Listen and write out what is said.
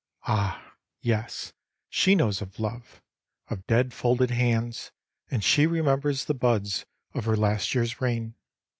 Ah, yes, she knows of Love; of dead folded hands, and she remembers the buds of her last year's reign.